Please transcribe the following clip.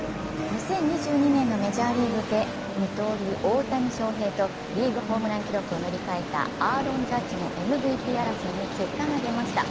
２０２２年のメジャーリーグで二刀流・大谷翔平とリーグホームラン記録を塗り替えたアーロン・ジャッジのＭＶＰ争いに結果が出ました。